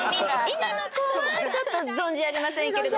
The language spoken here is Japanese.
今の子はちょっと存じ上げませんけれども。